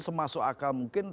semasuk akal mungkin